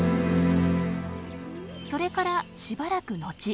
それからしばらく後。